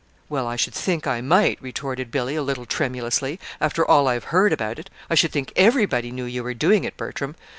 "Well, I should think I might," retorted Billy, a little tremulously, "after all I've heard about it. I should think everybody knew you were doing it, Bertram.